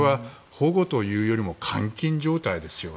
これは保護というよりも監禁状態ですよね。